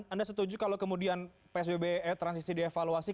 anda setuju kalau kemudian psbb transisi dievaluasi